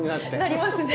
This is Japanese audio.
なりますね。